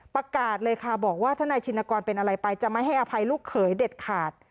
ประกาศเลยค่ะบอกว่าถ้านายชินกรเป็นอะไรไปจะไม่ให้อภัยลูกเขยเด็ดขาด